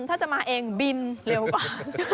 ถ้าจะมาเองบินเร็วกว่า